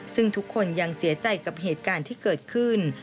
ซึ่งทุกคนยังเสียใจกับเหตุการณ์ที่เกิดขึ้น